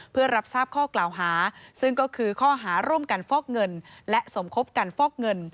เพื่อรับทราบข้อกล่าวหาซึ่งก็คือข้อหาร่วมกันฟอกเงินและสมคบกันฟอกเงิน